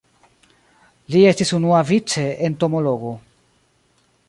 Li estis unuavice entomologo.